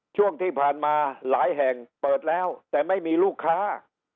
ช่วงที่ผ่านมาหลายแห่งเปิดแล้วแต่ไม่มีลูกค้า